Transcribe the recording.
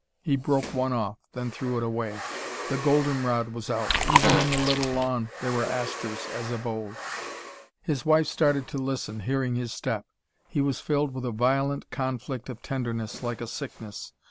He broke one off, then threw it away. The golden rod was out. Even in the little lawn there were asters, as of old. His wife started to listen, hearing his step. He was filled with a violent conflict of tenderness, like a sickness.